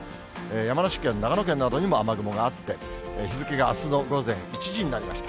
山梨県、長野県などにも雨雲があって、日付があすの午前１時になりました。